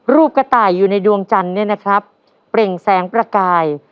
กระต่ายอยู่ในดวงจันทร์เนี่ยนะครับเปล่งแสงประกาย